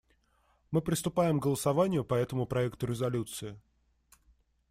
Мы приступаем к голосованию по этому проекту резолюции.